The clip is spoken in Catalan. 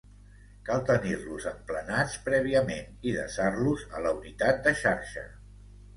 Cal tenir-los emplenats prèviament i desar-los a la unitat de xarxa.